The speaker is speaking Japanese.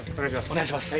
お願いします。